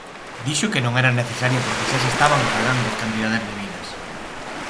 Dixo que non era necesaria porque xa se estaban pagando as cantidades debidas.